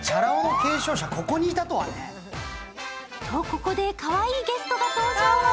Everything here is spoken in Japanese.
ここでかわいいゲストが登場。